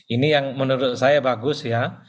ini yang menurut saya bagus ya